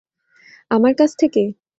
আমার কাছ থেকে?